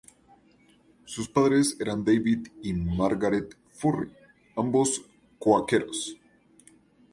Sus padres eran David y Margaret Furry, ambos cuáqueros.